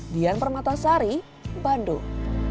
dian parmatasari bandung